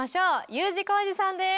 Ｕ字工事さんです。